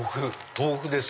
豆腐です！